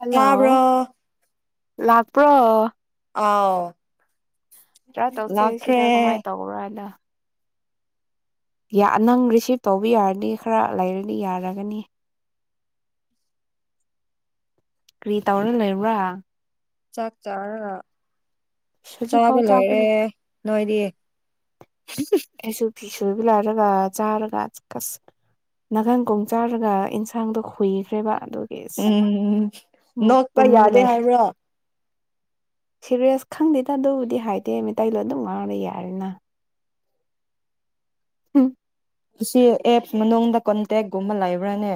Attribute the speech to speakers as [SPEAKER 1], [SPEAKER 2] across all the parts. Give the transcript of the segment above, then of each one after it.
[SPEAKER 1] Hello
[SPEAKER 2] ꯇꯥꯕ꯭ꯔꯣ
[SPEAKER 1] ꯂꯥꯛꯄ꯭ꯔꯣ
[SPEAKER 2] ꯑꯥꯎ
[SPEAKER 1] ꯇꯔꯥ ꯇꯧꯁꯦ
[SPEAKER 2] ꯂꯥꯛꯈ꯭ꯔꯦ
[SPEAKER 1] ꯁꯤꯗ ꯀꯃꯥꯏ ꯇꯧꯕ꯭ꯔꯥ ꯅ ꯌꯥ ꯅꯪ ꯔꯤꯁꯤꯞ ꯇꯧꯕ ꯌꯥꯔꯅꯤ ꯈꯔ ꯂꯩꯔꯗꯤ ꯌꯥꯔꯒꯅꯤ ꯀꯔꯤ ꯇꯧꯔꯒ ꯂꯩꯕ꯭ꯔꯥ
[SPEAKER 2] ꯆꯥꯛ ꯆꯥꯔꯔ ꯆꯥꯕ ꯂꯣꯏꯔꯦ ꯅꯣꯏꯗꯤ
[SPEAKER 1] ꯑꯦꯁꯨ ꯐꯤ ꯁꯨꯕ ꯂꯣꯏꯔꯒ ꯆꯥꯔꯒ ꯀꯁ ꯅꯥꯒꯟꯒꯣꯡ ꯆꯥꯔꯒ ꯏꯟꯁꯥꯡꯗꯣ ꯈꯨꯏꯈ꯭ꯔꯦꯕ ꯑꯗꯨꯒꯤ ꯑꯁ
[SPEAKER 2] ꯎꯝ
[SPEAKER 1] ꯑꯃꯨꯛ
[SPEAKER 2] ꯅꯣꯛꯄ
[SPEAKER 1] ꯇꯨꯝꯔꯒ
[SPEAKER 2] ꯌꯥꯗꯦ
[SPEAKER 1] ꯂꯩ
[SPEAKER 2] ꯍꯥꯏꯕ꯭ꯔꯣ
[SPEAKER 1] ꯁꯤꯔꯤꯌꯁ ꯈꯪꯗꯦꯗ ꯑꯗꯨꯕꯨꯗꯤ ꯍꯥꯏꯗꯦ ꯃꯩꯇꯩ ꯂꯣꯟ ꯑꯗꯨꯝ ꯉꯥꯡꯉꯒ ꯂꯩ ꯌꯥꯔꯦꯅ ꯎꯝ
[SPEAKER 2] ꯑꯁꯤ ꯑꯦꯞꯁ ꯃꯅꯨꯡꯗ ꯀꯣꯟꯇꯦꯛꯒꯨꯝꯕ ꯂꯩꯕ꯭ꯔꯅꯦ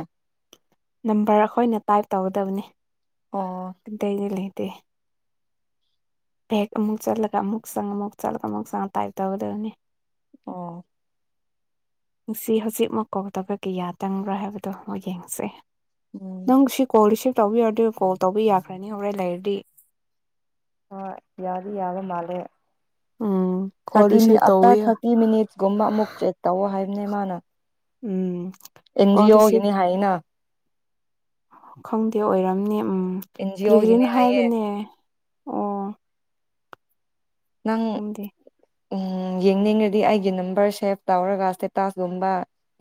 [SPEAKER 1] ꯅꯝꯕꯔ ꯑꯩꯈꯣꯏꯅ ꯇꯥꯏꯞ ꯇꯧꯒꯗꯕꯅꯤ
[SPEAKER 2] ꯑꯣ
[SPEAKER 1] ꯇꯩꯗ ꯂꯩ ꯇꯦ ꯇꯦꯛ ꯑꯃꯨꯛ ꯆꯠꯂꯒ ꯑꯃꯨꯛ ꯆꯪꯉ ꯑꯃꯨꯛ ꯆꯠꯂꯒ ꯑꯃꯨꯛ ꯆꯪꯉ ꯇꯥꯏꯞ ꯇꯧꯒꯗꯕꯅꯤ
[SPEAKER 2] ꯑꯣ
[SPEAKER 1] ꯉꯁꯤ ꯍꯧꯖꯤꯛꯃꯛ ꯀꯣꯜꯇꯧꯕꯒꯤ ꯌꯥ ꯇꯪꯕ꯭ꯔꯥ ꯍꯥꯏꯕꯗꯣ ꯃꯨꯛ ꯌꯦꯡꯁꯦ
[SPEAKER 2] ꯎꯝ
[SPEAKER 1] ꯅꯪꯁꯤ ꯀꯣ ꯂꯤꯁꯤ ꯇꯧꯕꯤꯔꯗꯤ ꯀꯣꯜ ꯇꯧꯕꯤ ꯌꯥꯈ꯭ꯔꯅꯤ ꯍꯣꯔꯦꯟ ꯂꯩꯔꯗꯤ
[SPEAKER 2] ꯍꯣꯏ ꯌꯥꯗꯤ ꯌꯥꯕ ꯃꯥꯜꯂꯦ
[SPEAKER 1] ꯎꯝ ꯀꯣꯜ
[SPEAKER 2] ꯊꯥꯔꯇꯤ
[SPEAKER 1] ꯔꯤꯁꯤꯞ ꯇꯧꯋꯦ
[SPEAKER 2] ꯑꯥꯞꯇꯔ ꯊꯥꯔꯇꯤ ꯃꯤꯅꯤꯠꯁꯀꯨꯝꯕ ꯑꯃꯨꯛ ꯆꯦꯛ ꯇꯧꯋꯣ ꯍꯥꯏꯕꯅꯦ ꯃꯥꯅ
[SPEAKER 1] ꯎꯝ ꯀꯣꯜ
[SPEAKER 2] ꯑꯦꯟꯖꯤ
[SPEAKER 1] ꯔꯤꯁꯤꯞ
[SPEAKER 2] ꯑꯣꯒꯤꯅꯤ ꯍꯥꯏꯅ
[SPEAKER 1] ꯈꯪꯗꯦ ꯑꯣꯏꯔꯝꯅꯤ ꯎꯝ
[SPEAKER 2] ꯑꯦꯟ ꯖꯤ
[SPEAKER 1] ꯀꯔꯤ
[SPEAKER 2] ꯑꯣꯒꯤꯅꯦ
[SPEAKER 1] ꯀꯔꯤꯅꯣ
[SPEAKER 2] ꯍꯥꯏꯌꯦ
[SPEAKER 1] ꯍꯥꯏꯕꯅꯦ ꯑꯣ
[SPEAKER 2] ꯅꯪ
[SPEAKER 1] ꯈꯪꯗꯦ
[SPEAKER 2] ꯎꯝ ꯌꯦꯡꯅꯤꯡꯔꯗꯤ ꯑꯩꯒꯤ ꯅꯝꯕꯔ ꯁꯦꯞ ꯇꯧꯔꯒ ꯏꯁꯇꯦꯇꯥꯁꯒꯨꯝꯕ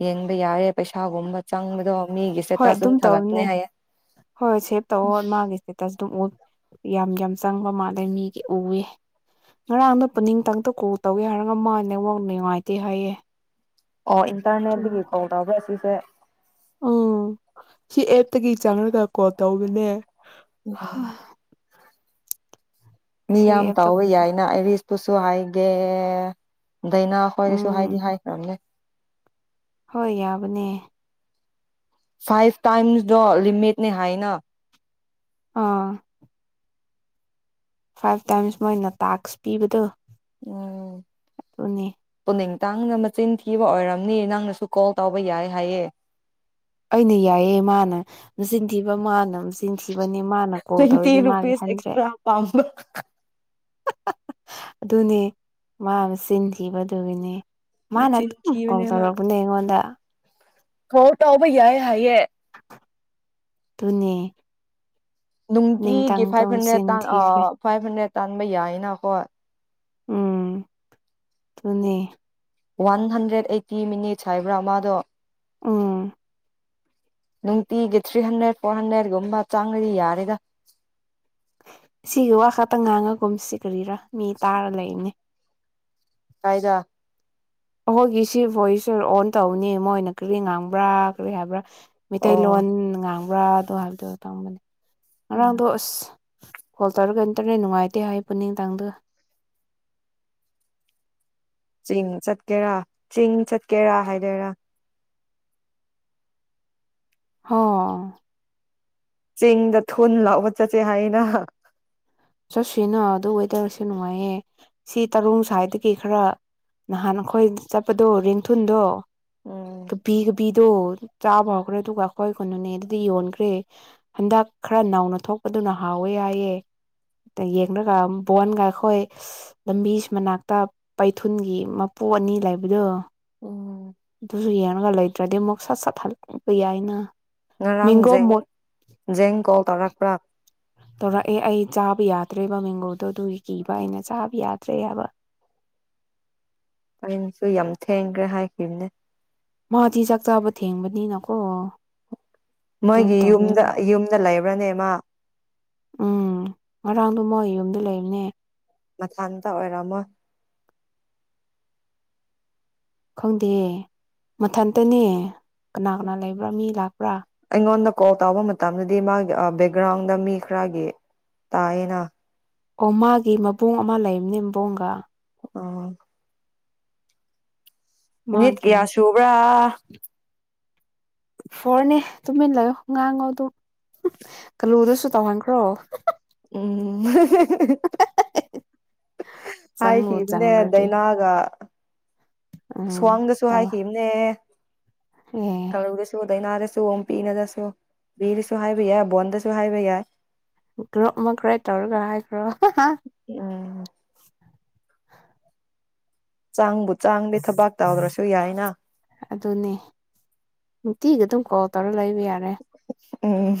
[SPEAKER 2] ꯌꯦꯡꯕ ꯌꯥꯔꯦ ꯄꯩꯁꯥꯒꯨꯝꯕ ꯆꯪꯕꯗꯣ ꯃꯤꯒꯤ
[SPEAKER 1] ꯍꯣꯏ
[SPEAKER 2] ꯏꯁꯇꯦꯇꯥꯁ
[SPEAKER 1] ꯑꯗꯨꯝ
[SPEAKER 2] ꯊꯥꯒꯠꯄꯅꯦ
[SPEAKER 1] ꯇꯧꯅꯦ
[SPEAKER 2] ꯍꯥꯏꯌꯦ
[SPEAKER 1] ꯍꯣꯏ ꯍ ꯁꯦꯞ ꯇꯧꯑꯣ ꯃꯥꯒꯤ ꯏꯁꯇꯦꯇꯁ ꯑꯗꯨꯝ ꯌꯥꯝ ꯌꯥꯝ ꯆꯪꯕ ꯃꯥꯜꯂꯦ ꯃꯤꯒꯤ ꯎꯏ ꯉꯔꯥꯡꯅ ꯄꯨꯛꯅꯤꯡꯇꯪꯇ ꯀꯣꯜ ꯇꯧꯒꯦ ꯍꯥꯏꯔꯒ ꯃꯥ ꯅꯉꯣꯟ ꯅꯨꯡꯉꯥꯏꯇꯦ ꯍꯥꯏꯌꯦꯦ
[SPEAKER 2] ꯑꯣ ꯏꯟꯇꯔꯅꯦꯠꯇꯒꯤ ꯀꯣꯜ ꯇꯧꯕ꯭ꯔꯥ ꯁꯤ ꯇ
[SPEAKER 1] ꯎꯝ ꯁꯤ ꯑꯦꯇꯒꯤ ꯆꯪꯉꯔꯒꯀꯣ ꯇꯧꯕꯅꯦ
[SPEAKER 2] ꯎꯝ ꯃꯤ
[SPEAKER 1] ꯑꯁꯤ
[SPEAKER 2] ꯌꯥꯝ
[SPEAKER 1] ꯑꯦꯞꯇ
[SPEAKER 2] ꯇꯥꯎꯕ ꯌꯥꯏꯅ ꯑꯩ ꯇꯨꯁꯨ ꯍꯥꯏꯥꯏꯒꯦ ꯗꯥꯏꯅꯥ ꯑꯩꯈꯣꯏꯗꯁꯨ ꯍꯥꯏꯗꯤ
[SPEAKER 1] ꯎꯝ
[SPEAKER 2] ꯍꯥꯏꯈ꯭ꯔꯝꯅꯦ
[SPEAKER 1] ꯍꯣꯏ ꯌꯥꯕꯅꯦ
[SPEAKER 2] ꯐꯥꯏꯚ ꯇꯥꯏꯝꯁꯇꯣ ꯂꯤꯔꯤꯃꯦꯠꯅꯦ ꯍꯥꯏꯅ
[SPEAKER 1] ꯑꯥ ꯐꯥꯏꯚ ꯇꯥꯏꯝꯁ ꯃꯣꯏꯅ ꯇꯥꯛꯁ ꯄꯤꯕꯗꯨꯣ
[SPEAKER 2] ꯎꯝ ꯄꯨꯅꯤꯡ ꯇꯥꯡꯅ ꯃꯆꯤꯟ ꯊꯤꯕ ꯑꯣꯏꯔꯝꯅꯤ ꯅꯪꯅꯁꯨ ꯀꯣꯜ ꯇꯧꯕ ꯌꯥꯏ ꯍꯥꯏꯌꯦ
[SPEAKER 1] ꯑꯩꯅ ꯌꯥꯏꯌꯦ ꯃꯥꯅ ꯆꯤꯟꯊꯤꯕ ꯃꯥꯅ ꯁꯨꯝ ꯆꯤꯟꯊꯤꯕꯅꯤ ꯃꯥꯅ ꯀꯣꯜ
[SPEAKER 2] ꯇ꯭ꯋꯦꯟꯇꯤ
[SPEAKER 1] ꯇꯧꯔꯗꯤ ꯃꯥꯒꯤ
[SPEAKER 2] ꯔꯨꯄꯤꯁ
[SPEAKER 1] ꯍꯟꯗ꯭ꯔꯦ
[SPEAKER 2] ꯑꯦꯛꯁꯇ꯭ꯔꯥ ꯄꯥꯝꯕ
[SPEAKER 1] ꯑꯗꯨꯅꯦ ꯃꯥꯅ ꯆꯤꯟꯤꯈꯤꯕꯗꯨꯒꯤꯅꯤ ꯃꯥꯅ
[SPEAKER 2] ꯃꯆꯤꯟ
[SPEAKER 1] ꯑꯗꯨꯝ ꯀꯣꯡ ꯆꯥꯎꯧꯔꯛꯄꯅꯦ ꯑꯩꯉꯣꯟꯗ
[SPEAKER 2] ꯍꯣ ꯇꯥꯎꯕꯩꯌꯥꯑ ꯍꯥꯏꯌꯦꯦ
[SPEAKER 1] ꯇꯅꯦ
[SPEAKER 2] ꯒꯤꯒ ꯐꯥꯏꯚ ꯍꯟ꯭ꯔꯦꯠ ꯇ ꯑ
[SPEAKER 1] ꯊꯤꯈ꯭ꯔꯦ
[SPEAKER 2] ꯐꯥꯏꯚ ꯍꯟ꯭ꯔꯦꯠ ꯇꯥꯟꯕ ꯌꯥꯏꯅꯈꯣ
[SPEAKER 1] ꯎꯝ ꯊꯅꯤ
[SPEAKER 2] ꯋꯥꯟ ꯍꯟꯗ꯭ꯔꯦꯗ ꯑꯩꯠꯇꯤ ꯃꯤꯅꯤꯠꯁ ꯍꯥꯏꯕ꯭ꯔꯥ ꯃꯥꯗꯣ
[SPEAKER 1] ꯑ
[SPEAKER 2] ꯅꯨꯡꯇꯤꯒꯤ ꯊ꯭ꯔꯤ ꯍꯟꯗ꯭ꯔꯦꯠ ꯐꯣꯔ ꯍꯟꯗ꯭ꯔꯦꯠꯀꯨꯝꯕ ꯆꯪꯉꯗꯤ ꯌꯥꯔꯦꯗ
[SPEAKER 1] ꯁꯤꯒꯤ ꯋꯥ ꯈꯛꯇꯪ ꯉꯥꯡꯉꯒꯨꯝꯁꯤ ꯀꯔꯤꯔꯥ ꯃꯤ ꯇꯥꯔ ꯂꯩꯕꯅꯦ
[SPEAKER 2] ꯀꯥꯏꯗ
[SPEAKER 1] ꯑꯩꯈꯣꯏꯒꯤ ꯁꯤ ꯚꯣꯏꯁ ꯑꯣꯟ ꯇꯧꯅꯤ ꯃꯣꯏꯅ ꯀꯔꯤ ꯉꯥꯡꯕ꯭ꯔꯥ ꯀꯔꯤ ꯍꯥꯏꯕ꯭ꯔꯥ ꯃꯤꯇꯩ
[SPEAKER 2] ꯑꯣ
[SPEAKER 1] ꯂꯣꯟ ꯉꯥꯡ [unintelligible]
[SPEAKER 2] ꯎꯝ
[SPEAKER 1] ꯉꯔꯥꯡꯗꯣ ꯑꯁ ꯀꯣꯜ ꯇꯧꯔꯒ ꯅꯇꯅꯦ ꯅꯨꯡꯉꯥꯏꯇꯦ ꯍꯥꯏ ꯄꯨꯅꯤꯡꯗꯥꯡꯗꯨ
[SPEAKER 2] ꯆꯤꯡ ꯆꯠꯀꯦꯔꯥ ꯆꯤꯡ ꯆꯠꯀꯦꯔꯥ ꯍꯥꯏꯗꯔꯥ
[SPEAKER 1] ꯍ
[SPEAKER 2] ꯆꯤꯡꯗ ꯊꯨꯟ ꯂꯥꯎꯕ ꯆꯠꯁꯦ ꯍꯥꯏꯅ
[SPEAKER 1] ꯆꯠꯁꯤꯅ ꯑꯗꯨ ꯋꯦꯗꯔꯁꯨ ꯅꯨꯡꯉꯥꯏꯌꯦ ꯁꯤ ꯇꯔꯨꯡ ꯁ꯭ꯋꯥꯏꯗꯒꯤ ꯈꯔ ꯅꯍꯥꯟ ꯑꯩꯈꯣꯏ ꯆꯠꯄꯗꯣ ꯔꯦꯡꯊꯨꯟꯗꯣ
[SPEAKER 2] ꯎꯝ
[SPEAKER 1] ꯀꯕꯤꯒꯕꯤ ꯑꯗꯨ ꯆꯥꯕ ꯍꯧꯈ꯭ꯔꯦ ꯑꯗꯨꯒ ꯑꯩꯈꯣꯏ [unintelligible] ꯑꯗꯨꯗꯤ ꯌꯣꯟꯈ꯭ꯔꯦ ꯍꯟꯗꯛ ꯈꯔ ꯅꯧꯅ ꯊꯣꯛꯄꯗꯨꯅ ꯍꯥꯎꯋꯦ ꯌꯥꯏꯑꯦ ꯌꯦꯡꯒ ꯕꯣꯟꯒ ꯑꯩꯈꯣꯏ ꯂꯝꯕꯤꯁꯤ ꯃꯅꯥꯛꯇ ꯄꯩꯊꯨꯟꯒꯤ ꯃꯄꯨ ꯑꯅꯤ ꯂꯩꯕꯗꯣ
[SPEAKER 2] ꯎꯝ
[SPEAKER 1] [unintelligible] ꯗ꯭ꯔꯗꯤ ꯑꯃꯨꯛ ꯁꯥꯠ ꯆꯠ [unintelligible] ꯌꯥꯏꯅ
[SPEAKER 2] ꯉꯔꯥꯡ
[SPEAKER 1] ꯃꯦꯡꯒꯣ
[SPEAKER 2] ꯖꯦꯡ
[SPEAKER 1] ꯃꯣꯠ
[SPEAKER 2] ꯖꯦꯡ ꯀꯣꯜ ꯇꯧꯔꯛꯄ꯭ꯔꯥ
[SPEAKER 1] ꯇꯧꯔꯛꯑꯦ ꯑꯩ ꯆꯥꯕ ꯌꯥꯗ꯭ꯔꯦꯕ ꯃꯦꯡꯒꯣꯗꯣ ꯑꯗꯨꯒꯤ ꯀꯤꯕ ꯑꯩꯅ ꯆꯥꯕ ꯌꯥꯗ꯭ꯔꯦ ꯍꯥꯏꯕ
[SPEAKER 2] ꯑꯩꯅꯁꯨ ꯌꯥꯝ ꯊꯦꯡꯈ꯭ꯔꯦ ꯍꯥꯏꯈꯤꯕꯅꯦ
[SPEAKER 1] ꯃꯗꯤ ꯆꯥꯛꯆꯥꯕ ꯊꯦꯡꯕꯅꯤ ꯅꯀꯣ
[SPEAKER 2] ꯃꯣꯏꯒꯤ ꯌꯨꯝꯗ ꯌꯨꯝꯗ ꯂꯩꯕ꯭ꯔꯅꯦꯃ
[SPEAKER 1] ꯎꯝ ꯉꯔꯥꯡ ꯗꯣꯃꯣꯏ ꯌꯨꯝꯗ ꯂꯩꯕꯅꯦ
[SPEAKER 2] ꯃꯊꯟꯇ ꯑꯣꯏꯔꯝꯃꯣꯏ
[SPEAKER 1] ꯈꯪꯗꯦ ꯃꯊꯟꯇꯅꯦ ꯀꯅꯥ ꯀꯅꯥ ꯂꯩꯕ꯭ꯔꯥ ꯃꯤ ꯂꯥꯛꯄ꯭ꯔꯥ
[SPEAKER 2] ꯑꯩꯉꯣꯟꯗ ꯀꯣꯜ ꯇꯧꯕ ꯃꯇꯝꯗꯗꯤ ꯃꯥꯒꯤ ꯕꯦꯛꯒ꯭ꯔꯥꯎꯟꯗ ꯃꯤ ꯈꯔꯒꯤ ꯇꯥꯏꯌꯦꯅ
[SPEAKER 1] ꯑꯣ ꯃꯥꯒꯤ ꯃꯕꯨꯡ ꯑꯃ ꯂꯩꯕꯅꯤ ꯏꯕꯣꯡꯒ
[SPEAKER 2] ꯑ ꯅꯤꯠ
[SPEAKER 1] ꯃꯥꯒꯤ
[SPEAKER 2] ꯀꯌꯥ ꯁꯨꯨꯕ꯭ꯔꯥ [inaudible]
[SPEAKER 1] ꯍꯣꯔꯅꯦ ꯇꯨꯝꯃꯤꯜꯂꯣ ꯉꯥꯡꯉꯣ ꯑꯗꯨꯝ ꯀꯥꯜꯂꯨꯗꯁꯨ ꯇꯧꯍꯟꯈ꯭ꯔꯣ
[SPEAKER 2] ꯎꯝ
[SPEAKER 1] ꯆꯪꯕꯨ
[SPEAKER 2] ꯍꯥꯏꯈꯤꯕꯅꯦ
[SPEAKER 1] ꯆꯪꯔꯗꯤ
[SPEAKER 2] ꯗꯥꯏꯅꯥꯒ
[SPEAKER 1] ꯎꯝ
[SPEAKER 2] ꯁ꯭ꯋꯥꯡꯗꯁꯨ
[SPEAKER 1] ꯇꯧ
[SPEAKER 2] ꯍꯥꯏꯈꯤꯕꯅꯦ
[SPEAKER 1] ꯑꯦ
[SPEAKER 2] ꯀꯂꯧ ꯗꯁꯨ ꯗꯩꯅ ꯗꯥꯁꯨ ꯑꯣꯝ ꯄꯤꯅꯗꯁꯨ ꯕꯤꯔꯁꯨ ꯍꯥꯏꯕ ꯌꯥꯏ ꯕꯣꯟꯗꯁꯨ ꯍꯥꯏꯕ ꯌꯥꯏ
[SPEAKER 1] ꯒ꯭ꯔꯨꯞ ꯑꯃꯈ꯭ꯔꯦ ꯇꯧꯔꯒ ꯍꯥꯏꯈ꯭ꯔꯣ
[SPEAKER 2] ꯎꯝ ꯆꯥꯡꯕꯨ ꯆꯥꯡꯗꯤ ꯊꯕꯥꯛ ꯇꯧꯗ꯭ꯔꯁꯨ ꯌꯥꯏꯅ
[SPEAKER 1] ꯑꯗꯨꯅꯦ ꯅꯨꯡꯇꯤꯒ ꯑꯗꯨꯝ ꯀꯣꯜ ꯇꯧꯔ ꯂꯩꯕ ꯌꯥꯔꯦ
[SPEAKER 2] ꯎꯝ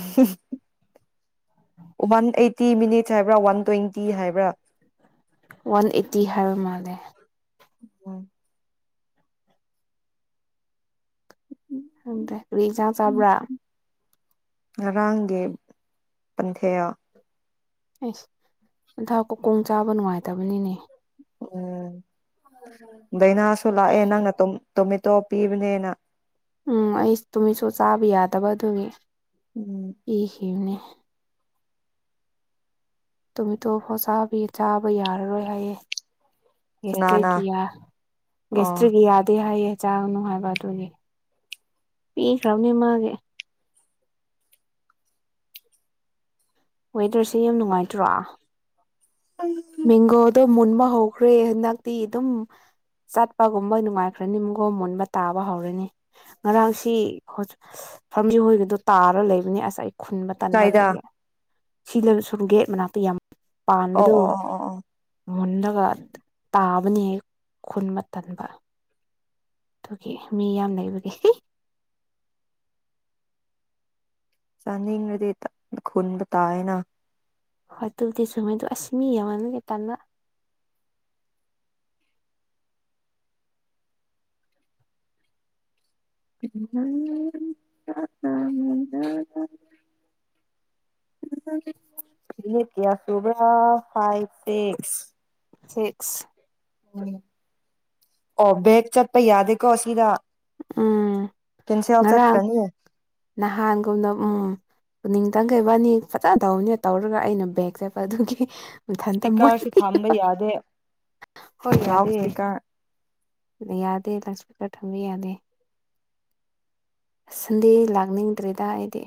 [SPEAKER 2] ꯋꯥꯟ ꯑꯩꯠꯇꯤ ꯃꯤꯅꯤꯠꯁ ꯍꯥꯏꯕ꯭ꯔ ꯋꯥꯟ ꯇ꯭ꯋꯦꯟꯇꯤ ꯍꯥꯏꯕ꯭ꯔ
[SPEAKER 1] ꯋꯥꯟ ꯑꯩꯠꯇꯤ ꯍꯥꯏꯕ ꯃꯥꯜ ꯂꯦ
[SPEAKER 2] ꯎꯝ
[SPEAKER 1] ꯈꯪꯗ‌ꯦ [unintelligible] ꯆꯥꯛ ꯆꯥꯕ꯭ꯔ
[SPEAKER 2] ꯉꯔꯥꯡꯒꯤ ꯄꯟꯊ‌ꯦꯌꯥ
[SPEAKER 1] ꯑꯦꯁ ꯅꯟꯊꯥ ꯀꯨꯀꯣꯡ ꯆꯥꯕ ꯅꯨꯡꯉꯥꯏꯇꯕꯅꯤꯅꯦ
[SPEAKER 2] ꯎꯝ ꯗꯥꯏꯅꯥꯁꯨ ꯂꯥꯛꯑꯦ ꯅꯪꯅ ꯑꯗꯨꯝ ꯇꯣꯃꯦꯇꯣ ꯄꯤꯕꯅꯦꯅꯥ
[SPEAKER 1] ꯎꯝ ꯑꯩ ꯇꯨꯃꯦꯇꯣꯁꯨ ꯆꯥꯕ ꯌꯥꯗꯕ ꯑꯗꯨꯒꯤ
[SPEAKER 2] ꯎꯝ
[SPEAKER 1] ꯏꯍꯤꯝꯅꯦ ꯇꯨꯃ‌ꯦꯇꯣ ꯐꯥꯎ ꯆꯥꯕꯤ ꯆꯥꯕ ꯌꯥꯔꯔꯣꯏ ꯍꯥꯏꯌꯦ
[SPEAKER 2] ꯀꯅꯥꯅ
[SPEAKER 1] ꯌꯦꯁꯇꯔꯒꯌꯥ
[SPEAKER 2] ꯑꯣ
[SPEAKER 1] ꯌꯦꯁꯇꯔ ꯌꯥꯗꯦ ꯍꯥꯏꯌ‌ꯦ ꯆꯥ ꯅꯨꯍꯥꯉꯏꯕ ꯑꯗꯨꯒꯤ ꯄꯤꯈ꯭ꯔꯕꯅꯦ ꯃꯥꯒꯤ ꯋꯦꯗꯔꯁꯦ ꯌꯥꯝ ꯅꯨꯡꯉꯥꯏꯇ꯭ꯔꯣ ꯃ‌ꯦꯡꯒ‌ꯣꯗ‌ꯣ ꯃꯨꯟꯕ ꯍꯧꯈ꯭ꯔꯦ ꯍꯟꯗꯛꯇꯤ ꯑꯗꯨꯝ ꯆꯠꯄꯒꯨꯝꯕ ꯅꯨꯡꯉꯥꯏꯈ꯭ꯔꯅꯤꯒꯣ ꯃꯨꯟꯕ ꯇꯥꯕ ꯍꯧꯔꯅꯤ ꯉꯔꯥꯡꯁꯤ ꯐꯝꯗ꯭ꯔꯤ ꯍꯣꯏꯒꯤꯗꯣ ꯇꯥꯔ ꯂꯩꯕꯅꯤ ꯑꯁ ꯈꯨꯟꯕ ꯇꯟꯕ
[SPEAKER 2] ꯀꯥꯏꯗ
[SPEAKER 1] ꯑꯗꯨꯒꯤ ꯁꯤꯗ ꯁꯨꯝ ꯒꯦꯠ ꯃꯅꯥꯛꯇ ꯌꯥꯝ
[SPEAKER 2] ꯑꯣ
[SPEAKER 1] ꯄꯥꯟꯕꯗꯨ
[SPEAKER 2] ꯑꯣ ꯑꯣ ꯑꯣ ꯑꯣ
[SPEAKER 1] ꯃꯨꯜꯂꯒ ꯇꯥꯕꯅꯤ ꯈꯨꯟꯕ ꯇꯟꯕ ꯑꯗꯨꯒꯤ ꯃꯤ ꯌꯥꯝ ꯂꯩꯕꯒꯤ
[SPEAKER 2] ꯆꯥꯅꯤꯡꯉꯗꯤ ꯈꯨꯨꯟꯕ ꯇꯥꯏꯌ‌ꯦꯅ
[SPEAKER 1] ꯍꯣꯏ ꯑꯗꯨꯕꯨꯗꯤ ꯆꯨꯝꯃ‌ꯦ ꯑꯗꯨ ꯑꯁ ꯃꯤ ꯌꯦꯡꯃꯟꯕ‌ꯩ ꯇꯟꯕ
[SPEAKER 2] [unintelligible] ꯀꯌꯥ ꯁꯨꯔ‌ꯦ ꯐꯥꯏꯚ ꯁꯤꯛꯁ
[SPEAKER 1] ꯁꯤꯛꯁ
[SPEAKER 2] ꯑꯣ ꯕꯦꯛꯒ ꯆꯠꯄ ꯌꯥꯗ‌ꯦꯀꯣ ꯑꯁꯤꯗ
[SPEAKER 1] ꯎꯝ ꯉꯔꯥꯡ
[SPEAKER 2] ꯆꯠꯈ꯭ꯔꯅꯤ
[SPEAKER 1] ꯅꯍꯥꯟꯒꯨꯝꯅ ꯎꯝ ꯄꯨꯅꯤꯡꯇ‌ꯪꯒ ꯏꯕꯥꯅꯤ ꯐꯖꯅ ꯇꯧꯕꯅꯤꯅ ꯇꯧꯔꯒ ꯑꯩꯅ ꯕꯦꯒ ꯆꯠꯄ ꯑꯗꯨꯒꯤ ꯃꯊꯟꯇ
[SPEAKER 2] ꯏꯁꯄꯤꯀꯔꯁꯨ
[SPEAKER 1] ꯃꯨꯠꯈꯤ
[SPEAKER 2] ꯊꯝꯕ ꯌꯥꯗꯦ
[SPEAKER 1] ꯍꯣꯏ
[SPEAKER 2] ꯂꯥꯎꯠ
[SPEAKER 1] ꯌꯥꯗꯦ
[SPEAKER 2] ꯏꯁꯄꯤꯀꯔ
[SPEAKER 1] ꯌꯥꯗꯦ ꯂꯥꯎꯠ ꯏꯁꯄꯤꯀꯔ ꯊꯝꯕ ꯌꯥꯗꯦ ꯁꯟꯗꯦ ꯂꯥꯛꯅꯤꯡꯗ꯭ꯔꯦꯗ ꯑꯩꯗꯤ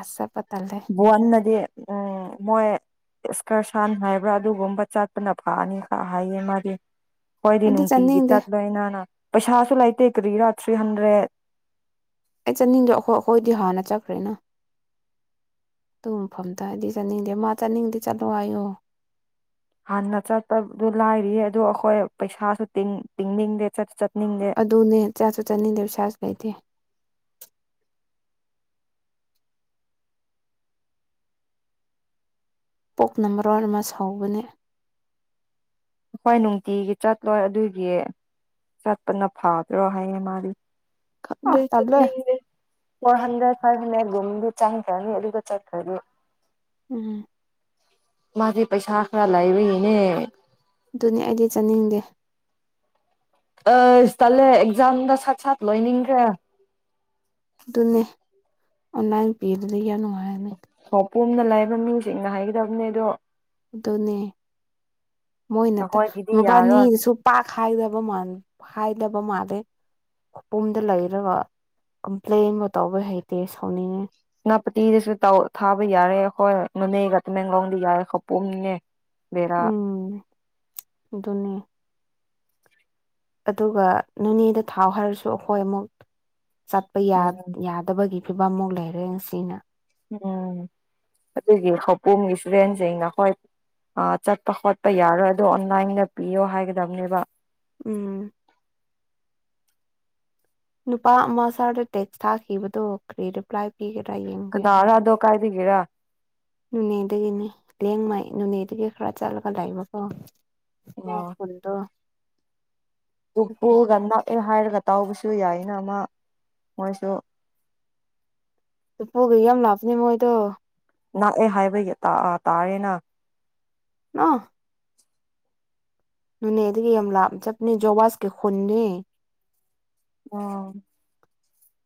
[SPEAKER 2] ꯑꯁ
[SPEAKER 1] ꯆꯠꯄ ꯇꯜꯂꯦ
[SPEAKER 2] ꯕ‌ꯣꯟꯅꯗꯤ ꯎꯝ ꯃꯣꯏ ꯏꯁꯀꯔꯁꯥꯟ ꯍꯥꯏꯕ꯭ꯔ ꯑꯗꯨꯒꯨꯝꯕ ꯆꯠꯄꯅ ꯐꯅꯤꯀ ꯍꯥꯏꯌꯦ ꯃꯥꯗꯤ ꯃ‌ꯣꯏꯗꯤ
[SPEAKER 1] ꯑꯩꯗꯤ
[SPEAKER 2] ꯅꯨꯡꯇꯤꯒꯤ
[SPEAKER 1] ꯆꯠꯅꯤꯡꯗꯦ
[SPEAKER 2] ꯆꯠꯄꯅꯤꯅ ꯄꯩꯁꯥꯁꯨ ꯂꯩꯥꯇ‌ꯦ ꯀꯔꯤꯔ ꯊ꯭ꯔꯤ ꯍꯟꯗ꯭ꯔꯦꯠ
[SPEAKER 1] ꯑꯩ ꯆꯠꯅꯤꯡꯗꯦ ꯑꯩꯈꯣꯏ ꯑꯩꯈꯣꯏꯗꯤ ꯍꯥꯟꯅ ꯆꯠꯈ꯭ꯔꯦꯅ ꯗꯨ ꯃꯐꯝꯗ ꯑꯩꯗꯤ ꯆꯠꯅꯤꯡꯗꯦ ꯃꯥ ꯆꯠꯅꯤꯡꯉꯗꯤ ꯆꯠꯂꯣ ꯍꯥꯏꯌꯣ
[SPEAKER 2] ꯍꯥꯟꯅ ꯆꯠꯄꯗꯨ ꯂꯥꯏꯔꯤꯌ‌ꯦ ꯑꯗꯨ ꯑꯩꯈꯣꯏ ꯄꯩꯁꯥꯁꯨꯤꯡ ꯇꯤꯡ ꯇꯤꯡꯅꯤꯡꯗꯦ ꯆꯠꯁꯨ ꯆꯠ
[SPEAKER 1] ꯑꯗꯨꯅꯦ ꯆꯠꯁꯨ ꯆꯠꯅꯤꯡꯗꯦ ꯄꯩꯁꯥꯁꯨ ꯂꯩꯇꯦ ꯄ‌ꯣꯞꯅ ꯃꯔꯣꯜ ꯑꯃ ꯁꯥꯎꯕꯅꯦ
[SPEAKER 2] ꯑꯈꯣꯏ ꯅꯨꯡꯇꯤꯒꯤ ꯆꯠꯂꯣꯏ ꯑꯗꯨꯒꯤ ꯆꯠꯄꯅ ꯐꯕ꯭ꯔꯣ ꯍꯥꯏꯌꯦ ꯃꯥꯗꯤ
[SPEAKER 1] ꯑ
[SPEAKER 2] ꯈꯪꯗꯦ
[SPEAKER 1] ꯇꯜꯂꯦ
[SPEAKER 2] ꯆꯠꯅꯤꯡꯗꯦ ꯐꯣꯔ ꯍꯟꯗ꯭ꯔꯦꯠ ꯐꯥꯏꯚ ꯍꯟꯗꯔꯦ ꯔꯣꯝꯗꯤ ꯆꯪꯈ꯭ꯔꯅꯤ ꯑꯗꯨꯒ ꯆꯠꯈ꯭ꯔꯥꯅꯤ
[SPEAKER 1] ꯎꯝ
[SPEAKER 2] ꯃꯥꯗꯤ ꯄꯩꯁꯥ ꯈꯔ ꯂꯩꯥꯕꯒꯤꯅꯦ
[SPEAKER 1] ꯑꯗꯨꯅꯦ ꯑꯩꯗꯤ ꯆꯥꯅꯤꯡꯗꯦ
[SPEAKER 2] ꯑꯁ ꯇꯜꯂꯦ ꯑꯦꯛꯖꯥꯝꯗ ꯁꯠ ꯁꯠ ꯂꯣꯏꯅꯤꯡꯈ꯭ꯔꯦ
[SPEAKER 1] ꯑꯗꯨꯅꯦ ꯑꯣꯟꯂꯥꯏꯟ ꯄꯤꯗꯨꯗꯤ ꯌꯥꯝ ꯅꯨꯡꯉꯥꯏꯔꯅꯤ
[SPEAKER 2] ꯀꯣꯝꯅ ꯂꯥꯏꯕ ꯃꯤꯁꯤꯡꯅ ꯍꯥꯏꯒꯗꯕꯅꯦ ꯑꯗꯣ
[SPEAKER 1] ꯑꯗꯨꯅꯦ ꯃꯣꯏꯅꯠꯇ
[SPEAKER 2] ꯑꯩꯈꯣꯏꯒꯤꯗꯤ ꯌꯥꯔꯣꯏ
[SPEAKER 1] ꯃꯕꯥꯟꯅꯤꯅꯁꯨ ꯄꯥꯛ ꯍꯥꯏꯗꯕ ꯃꯥꯟ ꯍꯥꯏꯗꯕ ꯗ ꯃꯥꯜꯂꯦ ꯃꯄꯨꯝꯗ ꯂꯩꯔꯒ ꯀꯝꯄ꯭ꯂꯦꯟꯒ ꯇꯧꯕ ꯍꯩꯇꯦ ꯁꯧꯅꯤꯡꯉꯦ
[SPEAKER 2] ꯁꯦꯅꯥꯄꯇꯤꯗꯁꯨ ꯇꯧ ꯊꯥꯕ ꯌꯥꯔꯦ ꯑꯈꯣꯏ ꯅꯣꯅꯦꯒ ꯇꯃꯦꯡꯂꯣꯡꯗꯤ ꯌꯥꯔꯦ ꯈꯧ ꯄꯨꯝꯅꯦ ꯕꯦꯔꯥ
[SPEAKER 1] ꯎꯝ ꯑꯗꯨꯅꯦ ꯑꯗꯨꯒ ꯅꯣꯅꯦꯗ ꯊꯥꯎ ꯍꯥꯏꯔꯁꯨ ꯑꯩꯈꯣꯏ ꯑꯃꯨꯛ ꯆꯠꯄ ꯌꯥ
[SPEAKER 2] ꯎꯝ
[SPEAKER 1] ꯌꯥꯗꯕꯒꯤ ꯐꯤꯕꯝꯃꯨꯛ ꯂꯩꯔꯦ ꯉꯁꯤꯅ
[SPEAKER 2] ꯎꯝ ꯑꯗꯨꯒꯤ ꯈꯧꯄꯨꯝꯒꯤ ꯏꯁꯇꯨꯗꯦꯟꯁꯤꯡꯅ ꯍꯣꯏ ꯑ ꯆꯠꯄ ꯈꯣꯠꯄ ꯌꯥꯔꯣꯏ ꯑꯗꯨ ꯑꯣꯟꯂꯥꯏꯟꯗ ꯄꯤꯌꯣ ꯍꯥꯏꯒꯗꯕꯅꯦꯕ
[SPEAKER 1] ꯎꯝ ꯅꯨꯄꯥ ꯑꯃ ꯁꯥꯔꯗ ꯇꯦꯛꯁ ꯊꯥꯈꯤꯕꯗꯣ ꯀꯔꯤ ꯔꯤꯄ꯭ꯂꯥꯏ ꯄꯤꯒ
[SPEAKER 2] ꯀꯅꯥꯔꯥ ꯑꯗꯣ ꯀꯥꯏꯗꯒꯤꯔ
[SPEAKER 1] ꯅꯣꯅꯦꯗꯒꯤꯅꯦ ꯂꯦꯡꯃꯥꯏ ꯅꯣꯅꯦꯗꯒꯤ ꯈꯔ ꯆꯠꯂꯒ ꯂꯩꯕꯀꯣ ꯃꯥ
[SPEAKER 2] ꯑꯣ
[SPEAKER 1] ꯀꯣꯟꯇꯣ
[SPEAKER 2] ꯎꯄꯨꯒ ꯅꯛꯑꯦ ꯍꯥꯏꯔꯒ ꯇꯧꯕꯁꯨ ꯌꯥꯏꯅ ꯃꯥ ꯃꯣꯏꯁꯨ
[SPEAKER 1] ꯎꯄꯨꯒ ꯌꯥꯝ ꯂꯥꯞꯄꯅꯤ ꯃꯣꯏꯗꯣ
[SPEAKER 2] ꯅꯛꯑꯦ ꯍꯥꯏꯕꯒꯤ ꯇꯥ ꯑ ꯇꯥꯌꯦꯅ
[SPEAKER 1] ꯑ ꯅꯣꯅꯦꯗꯒꯤ ꯌꯥꯝ ꯂꯥꯞꯅ ꯆꯠꯄꯅꯦ ꯖꯣꯋꯥꯥꯁꯀꯤ ꯈꯨꯟꯅꯤ
[SPEAKER 2] ꯑꯣ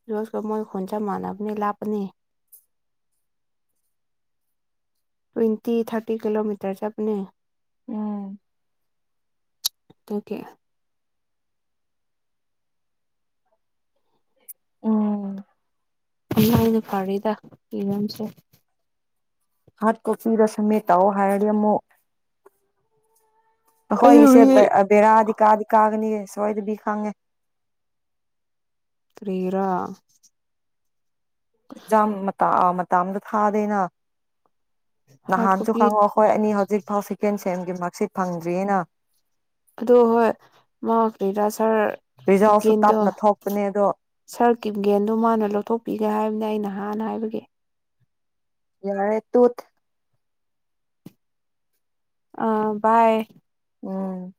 [SPEAKER 1] ꯖꯣꯋꯥꯁꯀ ꯃꯣꯏ ꯈꯨꯟ ꯆꯞ ꯃꯥꯟꯅꯕꯅꯦ ꯂꯥꯞꯄꯅꯤ ꯇ꯭ꯋꯦꯟꯇꯤ ꯊꯥꯔꯇꯤ ꯀꯤꯂꯣꯃꯤꯇꯔ ꯆꯠꯄꯅꯤ
[SPEAKER 2] ꯎꯝ
[SPEAKER 1] ꯇꯨꯀꯦ
[SPEAKER 2] ꯑꯝ
[SPEAKER 1] ꯑꯃꯥꯏꯅ ꯐꯔꯤꯗ ꯏꯔꯝꯁꯦ
[SPEAKER 2] ꯍꯥꯔꯗ ꯀꯣꯄꯤꯗ ꯁꯃꯤꯠ ꯇꯧ ꯍꯥꯏꯔꯗꯤ ꯑꯃꯨꯛ ꯑꯈꯣꯏꯒꯤꯁꯦ
[SPEAKER 1] ꯑꯩꯕꯨꯗꯤ
[SPEAKER 2] ꯕꯦ ꯑ ꯕꯦꯔꯥꯗꯤ ꯀꯥꯗꯤ ꯀꯥꯒꯅꯤꯌꯦ ꯁꯣꯏꯗꯕꯤ ꯈꯪꯉꯦ
[SPEAKER 1] ꯀꯔꯤꯒꯤꯔꯥ
[SPEAKER 2] ꯖꯥꯝ ꯃꯇ ꯑ ꯃꯇꯥꯝꯗ ꯊꯥꯗꯦꯅ
[SPEAKER 1] ꯍꯥꯔꯠ
[SPEAKER 2] ꯅꯍꯥꯟꯁꯨ
[SPEAKER 1] ꯀꯣꯄꯤ
[SPEAKER 2] ꯈꯪꯉꯣ ꯈꯣꯏ ꯑꯅꯤ ꯍꯧꯖꯤꯛ ꯐꯥꯎ ꯁꯦꯀꯦꯟ ꯁꯦꯝꯒꯤ ꯃꯥꯔꯛꯁꯦ ꯐꯪꯗ꯭ꯔꯤꯌꯦꯅ꯫
[SPEAKER 1] ꯑꯗꯣ ꯍꯣꯏ ꯃꯥ ꯀꯩꯔꯥ ꯁꯥꯔ
[SPEAKER 2] ꯔꯤꯖꯜꯁꯨ
[SPEAKER 1] ꯀꯤꯞꯒꯦꯟꯗꯣ
[SPEAKER 2] ꯇꯞꯅ ꯊꯣꯛꯄꯅꯦ ꯑꯗꯣ
[SPEAKER 1] ꯁꯥꯔ ꯀꯤꯞꯒꯦꯟꯗꯣ ꯃꯥꯅ ꯂꯧꯊꯣꯛꯄꯤꯒꯦ ꯍꯥꯏꯕꯅꯦ ꯑꯩꯅ ꯍꯥꯟꯅ ꯍꯥꯏꯕꯒꯤ꯫
[SPEAKER 2] ꯌꯥꯔꯦ ꯇꯣꯠ
[SPEAKER 1] ꯑꯥ ꯕꯥꯏ꯫
[SPEAKER 2] ꯎꯝ꯫